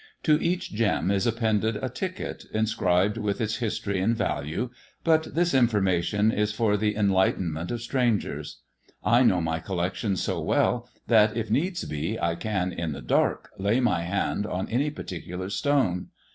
To each gem is appended a ticket inscribed with its history and value, but this information is for the enlighten ment of strangers. I know my collection so well that, if needs be, I can, in the dark, lay my hand on any particular stone.